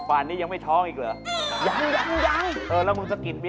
บ้านนี้ยังไม่ท้องอีกเหรอ